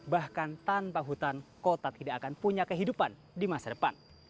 bahkan tanpa hutan kota tidak akan punya kehidupan di masa depan